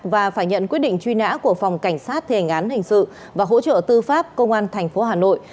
và phải nhận quyết định truy nã của phòng cảnh sát thể ngán hình sự và hỗ trợ tư pháp công an thành phố hà nội